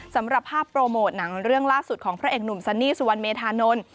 สำหรับภาพโปรโมทหนังเรื่องล่าสุดของพระเอกหนุ่มซันนี่สุวรรณเมธานนท์